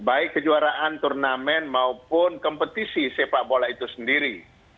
baik kejuaraan turnamen maupun kompetisi sepak bola itu sendiri